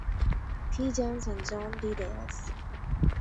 T. Jones and John D. Davis.